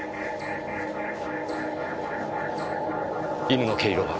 犬の毛色は？